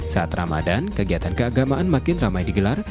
saat ramadan kegiatan keagamaan makin ramai digelar